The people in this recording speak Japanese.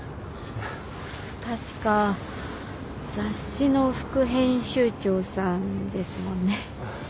確か雑誌の副編集長さんですもんね。